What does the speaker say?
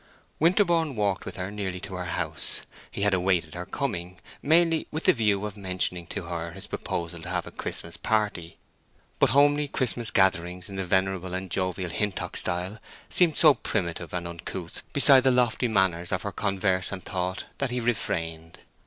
Winterborne walked with her nearly to her house. He had awaited her coming, mainly with the view of mentioning to her his proposal to have a Christmas party; but homely Christmas gatherings in the venerable and jovial Hintock style seemed so primitive and uncouth beside the lofty matters of her converse and thought that he refrained.